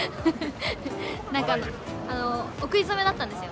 なんか、お食い初めだったんですよ。